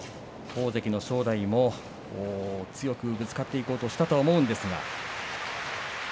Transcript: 大関の正代も強くぶつかっていこうとはしたと思うんですけれど。